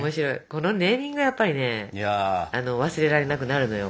このネーミングがやっぱりね忘れられなくなるのよ。